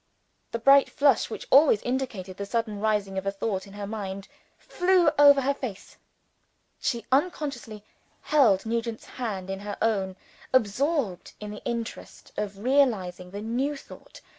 The bright flush which always indicated the sudden rising of a thought in her mind, flew over her face. She unconsciously held Nugent's hand in her own, absorbed in the interest of realizing the new thought.